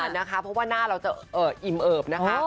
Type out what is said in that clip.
เพราะว่าหน้าเราจะอิ่มเอิบนะคะ